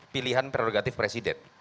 pilihan prerogatif presiden